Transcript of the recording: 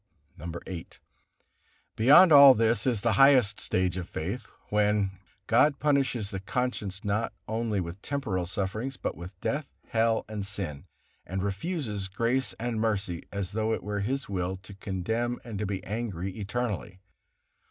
VIII. Beyond all this is the highest stage of faith, when; God punishes the conscience not only with temporal sufferings, but with death, hell, and sin, and refuses grace and mercy, as though it were His will to condemn and to be angry eternally.